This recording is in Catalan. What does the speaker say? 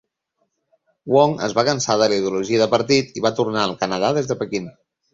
Wong es va cansar de la ideologia de partit i va tornar al Canadà des de Pequín.